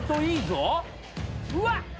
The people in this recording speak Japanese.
うわっ！